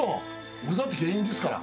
俺だって芸人ですから。